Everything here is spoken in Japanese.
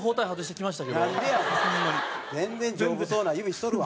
全然、丈夫そうな指しとるわ。